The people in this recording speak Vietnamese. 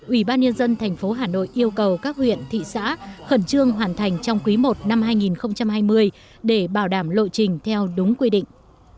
ủy ban nhân dân thành phố hà nội yêu cầu các huyện thị xã khẩn trương hoàn thành trong quý i năm hai nghìn hai mươi để bảo đảm lộ trình theo đúng quy định